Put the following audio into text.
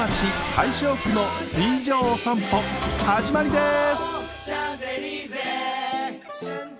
大正区の水上散歩始まりです！